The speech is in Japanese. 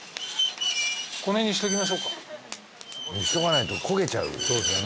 このへんにしときましょうかしとかないと焦げちゃうそうですよね